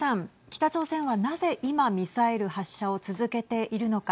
北朝鮮は、なぜ今ミサイル発射を続けているのか。